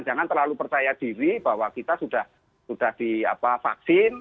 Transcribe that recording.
jangan terlalu percaya diri bahwa kita sudah di vaksin